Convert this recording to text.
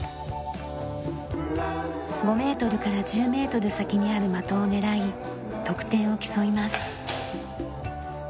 ５メートルから１０メートル先にある的を狙い得点を競います。